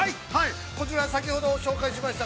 こちら先ほど、紹介しました。